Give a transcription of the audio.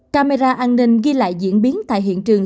camera an ninh ghi lại diễn biến tại hiện trường